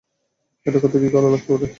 এটা করতে কী করা লাগতে পারে?